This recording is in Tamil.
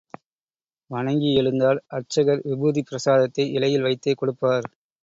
வணங்கி எழுந்தால் அர்ச்சகர் விபூதிப் பிரசாதத்தை இலையில் வைத்தே கொடுப்பார்.